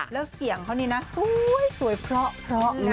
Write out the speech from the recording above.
แล้วเสียงเขานี่นะสวยเพราะนะ